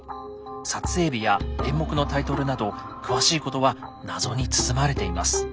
撮影日や演目のタイトルなど詳しいことは謎に包まれています。